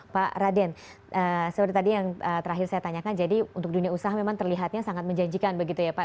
pak raden seperti tadi yang terakhir saya tanyakan jadi untuk dunia usaha memang terlihatnya sangat menjanjikan begitu ya pak